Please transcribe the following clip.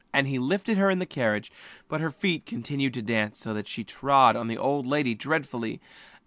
He lifted her into the carriage, but her feet continued to dance, so that she kicked the good old lady violently.